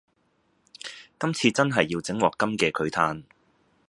今次真係要整鑊金嘅佢嘆